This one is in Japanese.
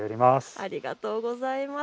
ありがとうございます。